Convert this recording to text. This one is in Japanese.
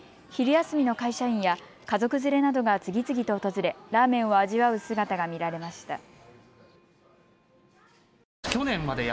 昼休みの会社員や家族連れなどが次々と訪れ、ラーメンを味わう姿が見られました。